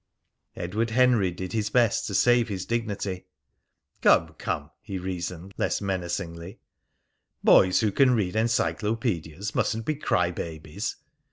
Edward Henry did his best to save his dignity. "Come, come!" he reasoned, less menacingly. "Boys who can read enyclopedias mustn't be cry babies.